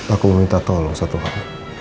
aku minta tolong satu hal